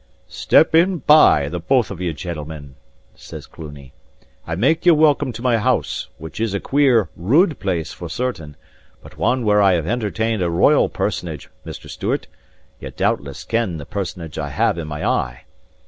"Step in by, the both of ye, gentlemen," says Cluny. "I make ye welcome to my house, which is a queer, rude place for certain, but one where I have entertained a royal personage, Mr. Stewart ye doubtless ken the personage I have in my eye.